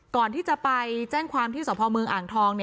ก่อนที่จะไปแจ้งความที่สพเมืองอ่างทอง